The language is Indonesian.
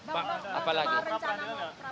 bapak bapak rencana mau perapandilannya